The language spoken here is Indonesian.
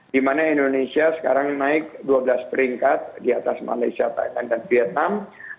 di mana indonesia sekarang naik dua belas peringkat di atas malaysia thailand dan vietnam